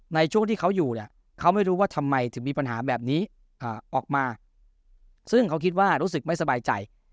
ในช่วงที่เขาอยู่เนี่ยเขาไม่รู้ว่าทำไมถึงมีปัญหาแบบนี้ออกมาซึ่งเขาคิดว่ารู้สึกไม่สบายใจ